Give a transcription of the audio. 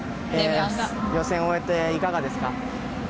予選を終えて、いかがですか？